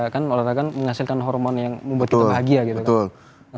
kan olahraga menghasilkan hormon yang membuat kita bahagia gitu kan